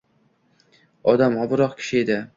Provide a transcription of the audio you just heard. odamoviroq kishi edi.